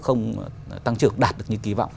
không tăng trưởng đạt được như kỳ vọng